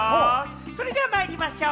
それじゃあまいりましょう。